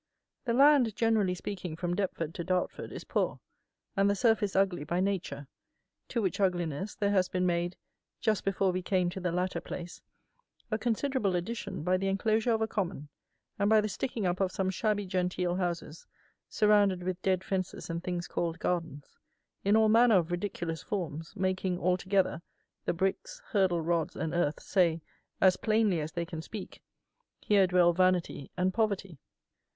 The land, generally speaking, from Deptford to Dartford is poor, and the surface ugly by nature, to which ugliness there has been made, just before we came to the latter place, a considerable addition by the enclosure of a common, and by the sticking up of some shabby genteel houses, surrounded with dead fences and things called gardens, in all manner of ridiculous forms, making, all together, the bricks, hurdle rods and earth say, as plainly as they can speak, "Here dwell vanity and poverty."